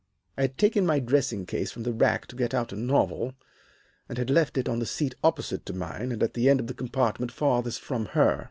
"I had taken my dressing case from the rack to get out a novel, and had left it on the seat opposite to mine, and at the end of the compartment farthest from her.